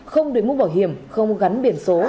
không đuổi mũ bảo hiểm không gắn biển số